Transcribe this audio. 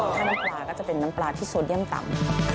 ถ้าน้ำปลาก็จะเป็นน้ำปลาที่โซเดียมต่ำ